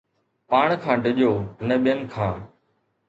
پاڻ کان ڊڄو نه ٻين کان